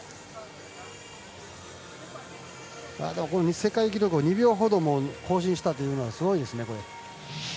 世界記録を２秒ほど更新したというのはすごいですね。